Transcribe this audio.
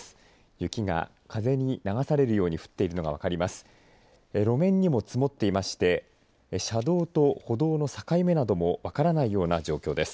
雪が風に流されるように降っているのが分かります。